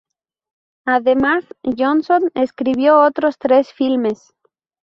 Además, Johnson escribió otros tres filmes.